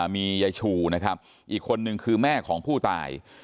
มียายชูนะครับอีกคนนึงคือแม่ของผู้ตาย